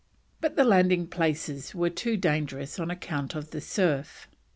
but the landing places were too dangerous on account of the surf.